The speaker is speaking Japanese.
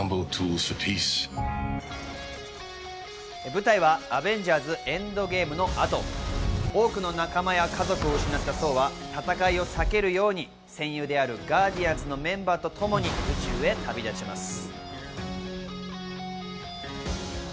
舞台は『アベンジャーズ／エンドゲーム』の後、多くの仲間や家族を失ったソーは戦いを避けるように戦友であるガーディアンズのメンバーとともに宇宙へ旅立ちます。